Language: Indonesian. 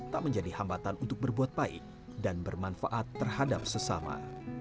tak menjadi hambatan untuk berbuat baik dan bermanfaat terhadap sesama